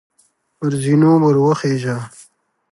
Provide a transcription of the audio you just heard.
پر زینو وروخیژه !